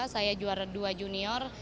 saya juara dua junior